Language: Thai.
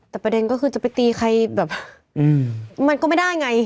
แต่แปดนก็คือจะไปตีใครมันก็ไม่ได้ไง